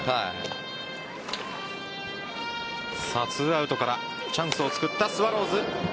２アウトからチャンスをつくったスワローズ。